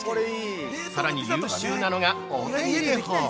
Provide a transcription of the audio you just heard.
さらに優秀なのがお手入れ法！